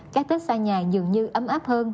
các tết xa nhà dường như ấm áp hơn